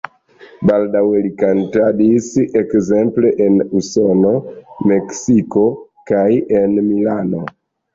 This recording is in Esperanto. Baldaŭe li kantadis ekzemple en Usono, Meksiko kaj en Milano.